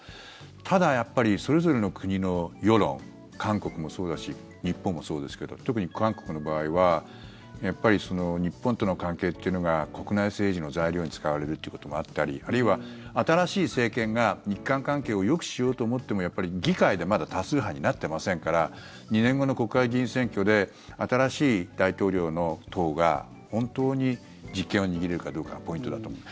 ただ、それぞれの国の世論韓国もそうだし日本もそうですけど特に韓国の場合は日本との関係っていうのが国内政治の材料に使われるっていうこともあったりあるいは、新しい政権が日韓関係をよくしようと思ってもやっぱり議会でまだ多数派になってませんから２年後の国会議員選挙で新しい大統領の党が本当に実権を握れるかどうかポイントだと思う。